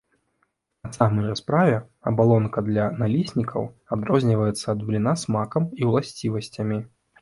На самай жа справе абалонка для наліснікаў адрозніваецца ад бліна смакам і ўласцівасцямі.